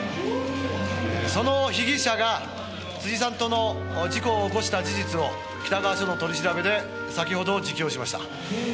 「その被疑者が辻さんとの事故を起こした事実を北川署の取り調べで先ほど自供しました」